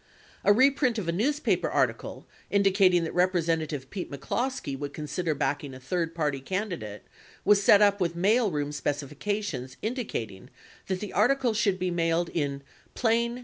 A reprint of a newspaper article indicating that Representative Pete McCloskey would consider backing a third party candidate was set up with mail room specifications indicating that the articles should be mailed in "plain No.